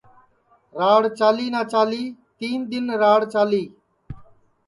راڑ چالی نہ چالی تین دؔن راڑ چالی